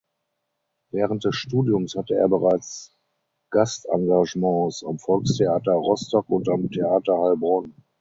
Während des Studiums hatte er bereits Gastengagements am Volkstheater Rostock und am Theater Heilbronn.